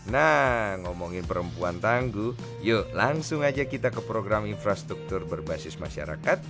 nah ngomongin perempuan tangguh yuk langsung aja kita ke program infrastruktur berbasis masyarakat